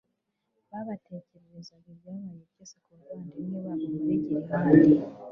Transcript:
babatekerereza ibyabaye byose ku bavandimwe babo bo muri gilihadi